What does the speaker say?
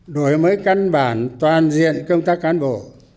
đổi mới căn bản toàn diện công tác cán bộ